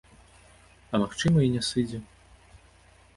А магчыма, і не сыдзе.